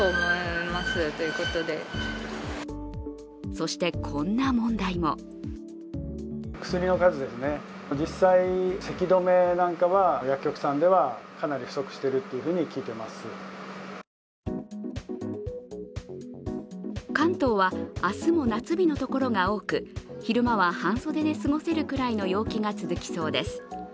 そして、こんな問題も関東は明日も夏日のところが多く、昼間は半袖で過ごせるぐらいの陽気が続きそうです。